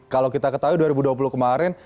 kalau kita ketahui dua ribu dua puluh kemarin